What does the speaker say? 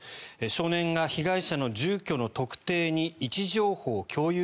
少年が被害者の住居の特定に位置情報共有